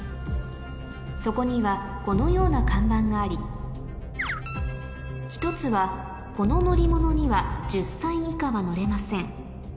そこにはこのような看板があり１つは「この乗り物には１０歳以下は乗れません」